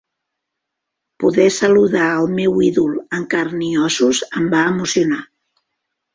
Poder saludar el meu ídol en carn i ossos em va emocionar.